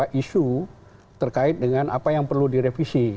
dan beberapa isu terkait dengan apa yang perlu direvisi